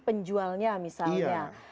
di penjualnya misalnya